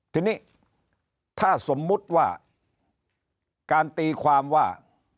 ทีนี้ถ้าสมมุติว่าการตีความว่า